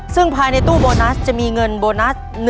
ซึ่งภายในตู้โบนัสจะมีเงินโบนัส